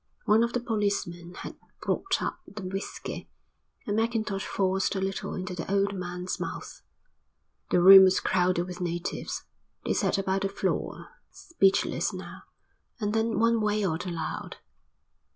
One of the policemen had brought up the whisky, and Mackintosh forced a little into the old man's mouth. The room was crowded with natives. They sat about the floor, speechless now and terrified, and every now and then one wailed aloud.